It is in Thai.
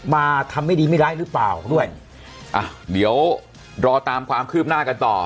มาทำไม่ดีไม่ร้ายหรือเปล่าด้วยอ่ะเดี๋ยวรอตามความคืบหน้ากันต่อ